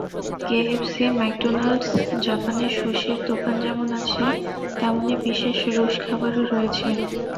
KFC, McDonald's, জাপানের সুশির দোকান যেমন আছে, তেমনি বিশেষ রুশ খাবারও রয়েছে।